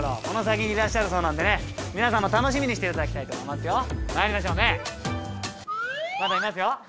この先にいらっしゃるそうなんでね皆さんも楽しみにしていただきたいと思いますよ。